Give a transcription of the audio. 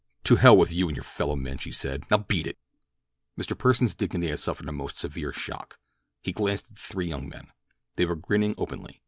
"To hell with you and your fellow men," she said. "Now beat it." Mr. Pursen's dignity had suffered a most severe shock. He glanced at the three young men. They were grinning openly.